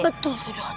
betul tuh dot